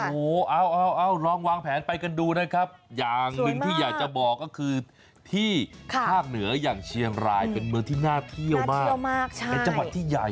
โอ้โหเอาเอาลองวางแผนไปกันดูนะครับอย่างหนึ่งที่อยากจะบอกก็คือที่ภาคเหนืออย่างเชียงรายเป็นเมืองที่น่าเที่ยวมากเป็นจังหวัดที่ใหญ่